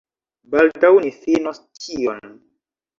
Baldaŭ ni finos tion